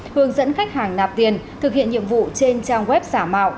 hướng dẫn khách hàng nạp tiền thực hiện nhiệm vụ trên trang web xả mạo